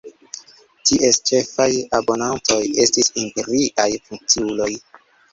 Ties ĉefaj abonantoj estis imperiaj funkciuloj.